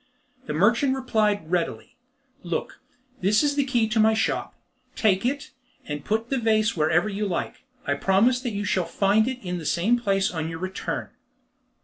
The merchant replied readily, "Look, this is the key of my shop: take it, and put the vase wherever you like. I promise that you shall find it in the same place on your return."